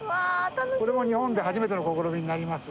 これも日本で初めての試みになります。